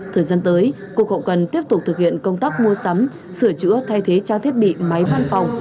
thời gian tới cục hậu cần tiếp tục thực hiện công tác mua sắm sửa chữa thay thế trang thiết bị máy văn phòng